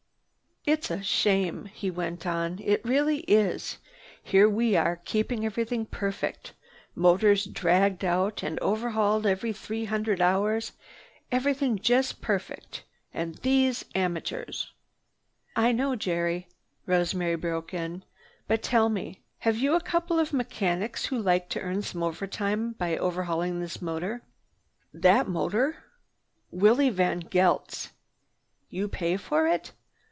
"It's a shame!" he went on. "It really is! Here we are keeping everything perfect. Motors dragged out and overhauled every three hundred hours, everything just perfect. And these amateurs!" "I know, Jerry," Rosemary broke in. "But tell me, have you a couple of mechanics who'd like to earn some overtime by overhauling this motor?" "That motor? Willie VanGeldt's? You pay for it?